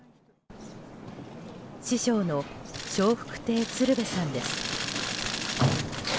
師匠の笑福亭鶴瓶さんです。